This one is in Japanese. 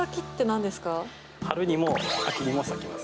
春にも秋にも咲きます。